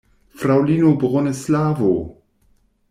Fraŭlino Bronislavo!